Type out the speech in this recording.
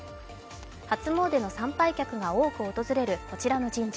初詣の参拝客が多く訪れるこちらの神社。